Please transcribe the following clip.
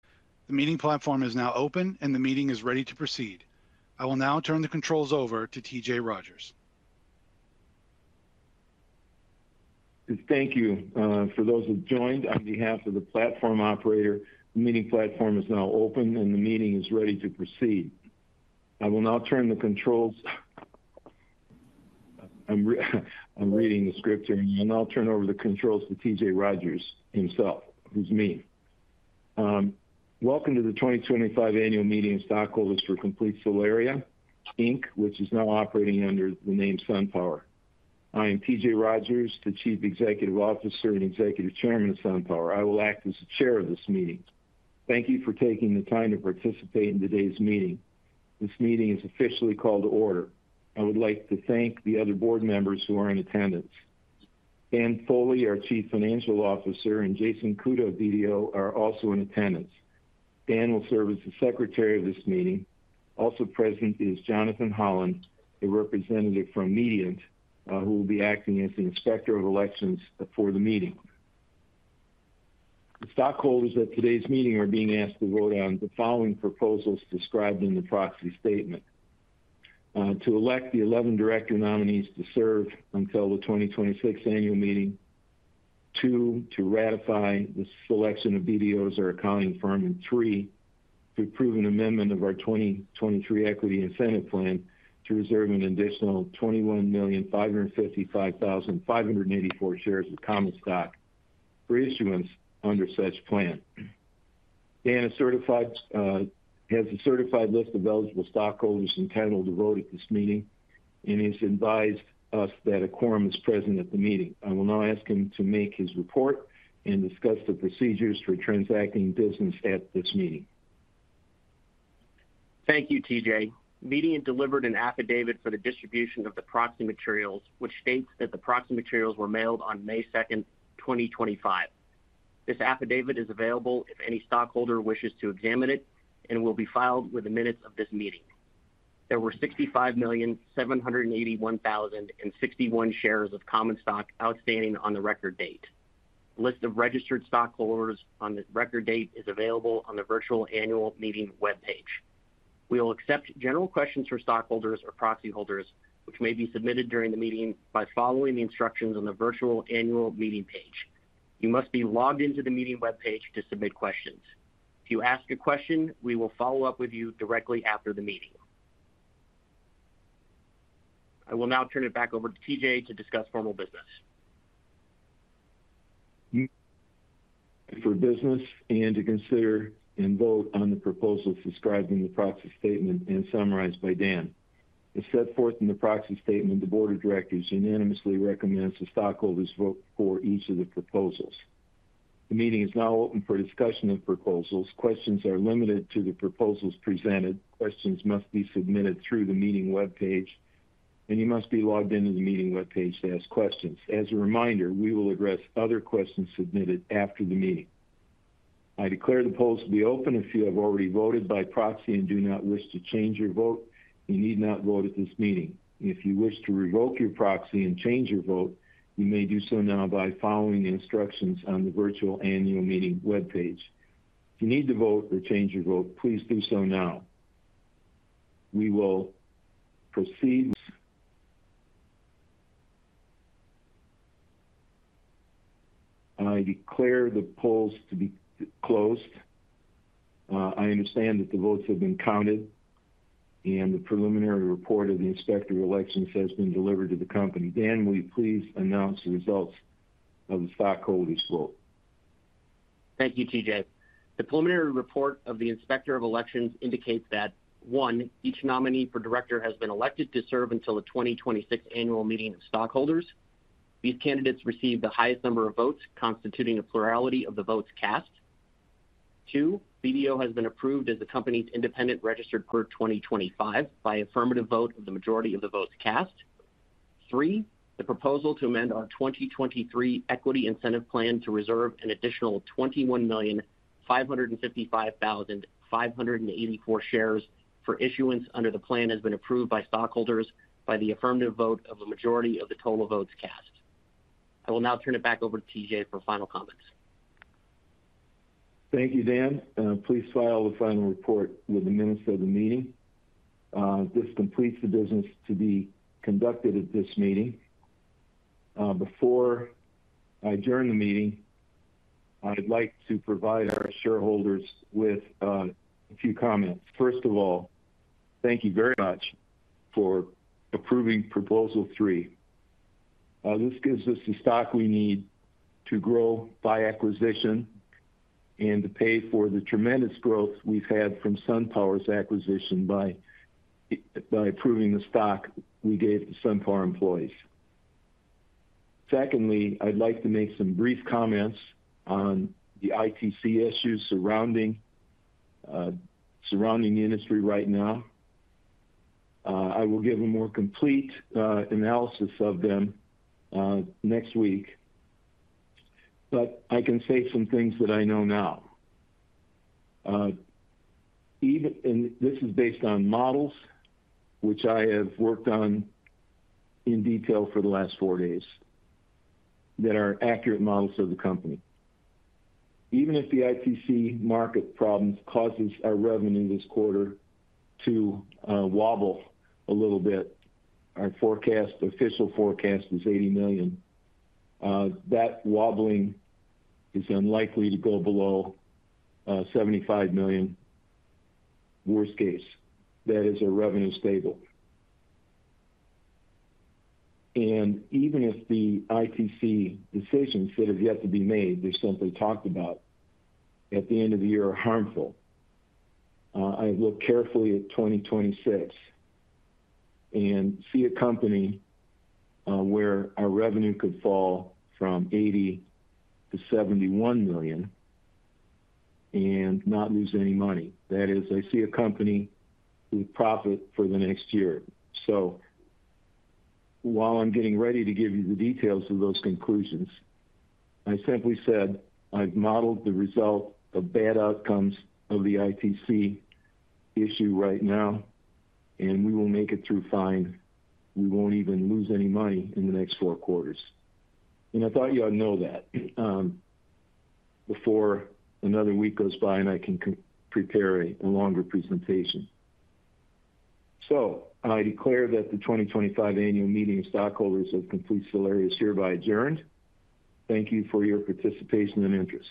The meeting platform is now open, and the meeting is ready to proceed. I will now turn the controls over to T.J. Rodgers. Thank you. For those who've joined, on behalf of the platform operator, the meeting platform is now open, and the meeting is ready to proceed. I will now turn the controls—I'm reading the script here—and I'll turn over the controls to T.J. Rodgers himself, who's me. Welcome to the 2025 Annual Meeting of Stockholders for Complete Solaria Inc, which is now operating under the name SunPower. I am T.J. Rodgers, the Chief Executive Officer and Executive Chairman of SunPower. I will act as the chair of this meeting. Thank you for taking the time to participate in today's meeting. This meeting is officially called to order. I would like to thank the other board members who are in attendance. Dan Foley, our Chief Financial Officer, and Jason Kudo, VDO, are also in attendance. Dan will serve as the secretary of this meeting. Also present is Jonathan Holland, a representative from Mediant, who will be acting as the inspector of elections for the meeting. The stockholders at today's meeting are being asked to vote on the following proposals described in the proxy statement: to elect the 11 director nominees to serve until the 2026 Annual Meeting, two, to ratify the selection of BDO as our accounting firm, and three, to approve an amendment of our 2023 Equity Incentive Plan to reserve an additional 21,555,584 shares of common stock for issuance under such plan. Dan has a certified list of eligible stockholders entitled to vote at this meeting, and he has advised us that a quorum is present at the meeting. I will now ask him to make his report and discuss the procedures for transacting business at this meeting. Thank you, T.J. Meeting delivered an affidavit for the distribution of the proxy materials, which states that the proxy materials were mailed on May 2nd 2025. This affidavit is available if any stockholder wishes to examine it and will be filed within minutes of this meeting. There were 65,781,061 shares of common stock outstanding on the record date. The list of registered stockholders on the record date is available on the virtual Annual Meeting webpage. We will accept general questions from stockholders or proxy holders, which may be submitted during the meeting by following the instructions on the virtual Annual Meeting page. You must be logged into the meeting webpage to submit questions. If you ask a question, we will follow up with you directly after the meeting. I will now turn it back over to T.J. to discuss formal business. For business, and to consider and vote on the proposals described in the proxy statement and summarized by Dan. As set forth in the proxy statement, the board of directors unanimously recommends the stockholders vote for each of the proposals. The meeting is now open for discussion of proposals. Questions are limited to the proposals presented. Questions must be submitted through the meeting webpage, and you must be logged into the meeting webpage to ask questions. As a reminder, we will address other questions submitted after the meeting. I declare the polls to be open. If you have already voted by proxy and do not wish to change your vote, you need not vote at this meeting. If you wish to revoke your proxy and change your vote, you may do so now by following the instructions on the virtual Annual Meeting webpage. If you need to vote or change your vote, please do so now. We will proceed. I declare the polls to be closed. I understand that the votes have been counted, and the preliminary report of the inspector of elections has been delivered to the company. Dan, will you please announce the results of the stockholders' vote? Thank you, T.J. The preliminary report of the inspector of elections indicates that: one, each nominee for director has been elected to serve until the 2026 Annual Meeting of Stockholders. These candidates received the highest number of votes, constituting a plurality of the votes cast. Two, BDO has been approved as the company's independent registered firm 2025 by affirmative vote of the majority of the votes cast. Three, the proposal to amend our 2023 Equity Incentive Plan to reserve an additional 21,555,584 shares for issuance under the plan has been approved by stockholders by the affirmative vote of a majority of the total votes cast. I will now turn it back over to T.J. for final comments. Thank you, Dan. Please file the final report with the minutes of the meeting. This completes the business to be conducted at this meeting. Before I join the meeting, I'd like to provide our shareholders with a few comments. First of all, thank you very much for approving proposal three. This gives us the stock we need to grow by acquisition and to pay for the tremendous growth we've had from SunPower's acquisition by approving the stock we gave to SunPower employees. Secondly, I'd like to make some brief comments on the ITC issues surrounding the industry right now. I will give a more complete analysis of them next week, but I can say some things that I know now. This is based on models, which I have worked on in detail for the last four days, that are accurate models of the company. Even if the ITC market problems cause our revenue this quarter to wobble a little bit, our forecast, official forecast, is $80 million. That wobbling is unlikely to go below $75 million, worst case. That is our revenue stable. Even if the ITC decisions that have yet to be made, there's something talked about, at the end of the year are harmful, I look carefully at 2026 and see a company where our revenue could fall from $80 million to $71 million and not lose any money. That is, I see a company with profit for the next year. While I'm getting ready to give you the details of those conclusions, I simply said I've modeled the result of bad outcomes of the ITC issue right now, and we will make it through fine. We won't even lose any money in the next four quarters. I thought you all know that before another week goes by and I can prepare a longer presentation. I declare that the 2025 Annual Meeting of Stockholders of SunPower is hereby adjourned. Thank you for your participation and interest.